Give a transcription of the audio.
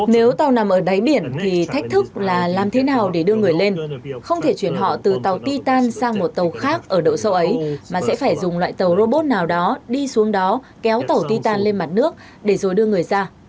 nếu tàu nằm ở đáy biển thì thách thức là làm thế nào để đưa người lên không thể chuyển họ từ tàu titan sang một tàu khác ở độ sâu ấy mà sẽ phải dùng loại tàu robot nào đó đi xuống đó kéo tàu ti tàn lên mặt nước để rồi đưa người ra